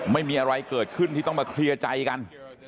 ไม่มีอะไรเกิดขึ้นที่ต้องมาเคลียร์ใจกัน